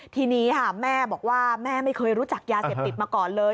ทีนี้ค่ะแม่บอกว่าแม่ไม่เคยรู้จักยาเสพติดมาก่อนเลย